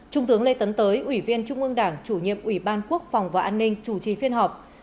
trung tướng lê tấn tới ủy viên trung ương đảng chủ nhiệm ủy ban quốc phòng và an ninh chủ trì phiên họp